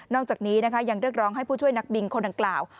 อกจากนี้นะคะยังเรียกร้องให้ผู้ช่วยนักบินคนดังกล่าว